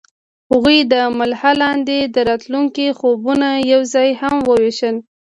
هغوی د لمحه لاندې د راتلونکي خوبونه یوځای هم وویشل.